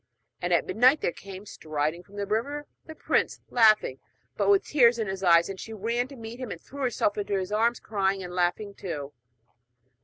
And at midnight there came striding from the river the prince, laughing, but with tears in his eyes; and she ran to meet him, and threw herself into his arms, crying and laughing too.